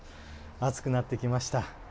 暑くなってきました。